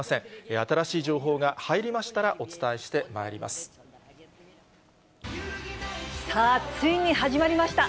新しい情報が入りましたらお伝えさあ、ついに始まりました。